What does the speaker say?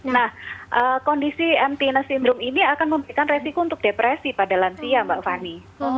nah kondisi entiness syndrome ini akan memberikan resiko untuk depresi pada lansia mbak fani